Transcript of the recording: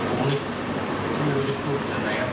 เป็นถุงหลวดไหมทำจริง